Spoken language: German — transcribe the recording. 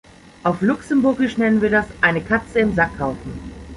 Auf luxemburgisch nennen wir das "eine Katze im Sack kaufen" .